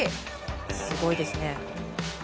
すごいですね。